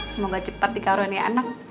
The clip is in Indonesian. semoga cepat dikarunia anak